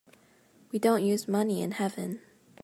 We don't use money in heaven.